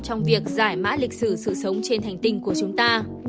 trong việc giải mã lịch sử sự sống trên hành tinh của chúng ta